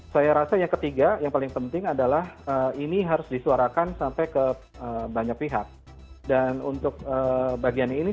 saya rasa yang ketiga yang paling penting adalah ini harus disuarakan sampai ke banyak pihak dan untuk bagian ini